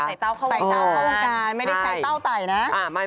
ใส่เต้าเข้าวงการไม่ได้แชร์เต้าไต่นะ